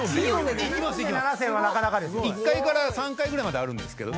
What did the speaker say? １階から３階ぐらいまであるんですけど。